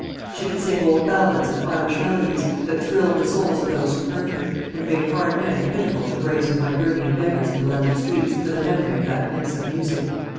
She could sing old ballads and Irish melodies, that thrilled the souls of those who heard her, and made hard men pitiful to brazen Hibernian beggars in the London streets for the memory of that pensive music.